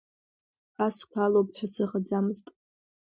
Асқәа алоуп ҳәа сыҟаӡамызт.